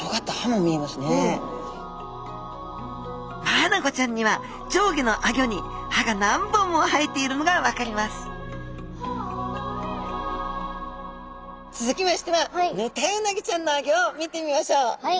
マアナゴちゃんには上下のアギョに歯が何本も生えているのが分かります続きましてはヌタウナギちゃんのアギョを見てみましょう。